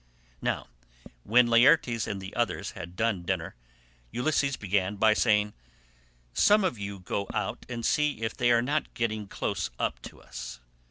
Now when Laertes and the others had done dinner, Ulysses began by saying, "Some of you go out and see if they are not getting close up to us."